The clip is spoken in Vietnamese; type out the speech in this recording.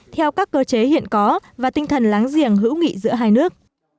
theo các cơ chế hiện có và tinh thần láng giềng hữu nghị giữa hai nước